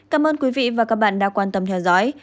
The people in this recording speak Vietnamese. cảm ơn quý vị và các bạn đã quan tâm theo dõi